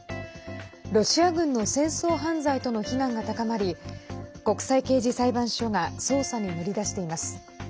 ロシア軍の戦争犯罪との非難が高まり国際刑事裁判所が捜査に乗り出しています。